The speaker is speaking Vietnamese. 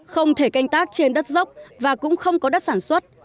không thể canh tác trên đất dốc và cũng không có đất sản xuất